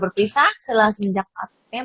berpisah selama sejak